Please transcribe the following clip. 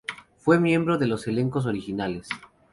Fue miembro de los elencos originales.